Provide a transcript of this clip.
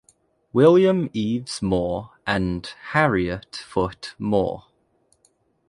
William Eves Moore and Harriet Foot Moore.